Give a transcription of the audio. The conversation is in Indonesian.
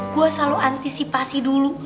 gue selalu antisipasi dulu